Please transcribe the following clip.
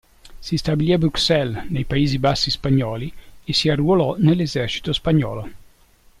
Si stabilì a Bruxelles, nei Paesi Bassi spagnoli e si arruolò nell'esercito spagnolo.